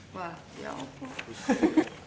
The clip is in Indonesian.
wah ya ampun